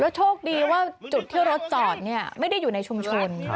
แล้วโชคดีว่าจุดที่รถจอดเนี่ยไม่ได้อยู่ในชุมชนครับ